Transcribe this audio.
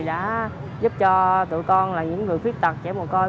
đã giúp cho tụi con là những người quyết tật trẻ mùa côi